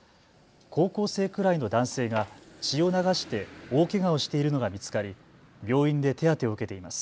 高校生くらいの男性が血を流して大けがをしているのが見つかり病院で手当てを受けています。